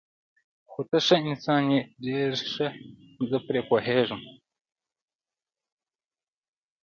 خو ته ښه انسان یې، ډېر ښه، زه پرې پوهېږم.